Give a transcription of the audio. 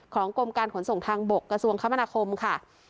กรมการขนส่งทางบกกระทรวงคมนาคมค่ะ